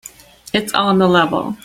It's on the level.